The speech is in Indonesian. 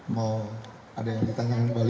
mau ada yang ditanyain kembali